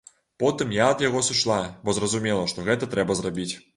Потым я ад яго сышла, бо зразумела, што гэта трэба зрабіць.